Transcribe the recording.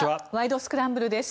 スクランブル」です。